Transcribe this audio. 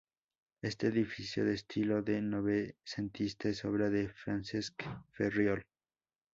Este edificio, de estilo de novecentista, es obra de Francesc Ferriol.